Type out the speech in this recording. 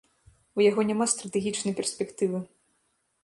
У яго няма стратэгічнай перспектывы.